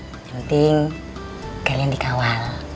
yang penting kalian dikawal